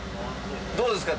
どうですか？